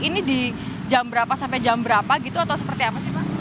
ini di jam berapa sampai jam berapa gitu atau seperti apa sih pak